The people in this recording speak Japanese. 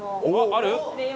ある？